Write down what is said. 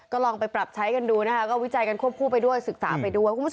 ลองไปปรับใช้กันดูนะคะก็วิจัยกันควบคู่ไปด้วยศึกษาไปด้วยคุณผู้ชม